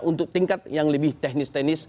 untuk tingkat yang lebih teknis teknis